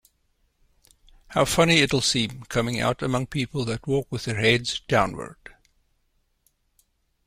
How funny it’ll seem coming out among people that walk with their heads downward!